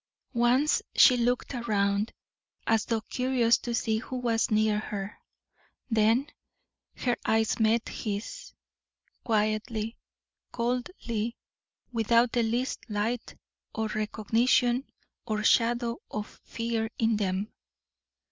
Once she looked around, as though curious to see who was near her; then her eyes met his quietly, coldly, without the least light, or recognition, or shadow of fear in them.